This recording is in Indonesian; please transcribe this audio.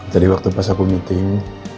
waktu pas aku meeting